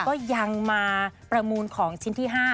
ก็ยังมาประมูลของชิ้นที่๕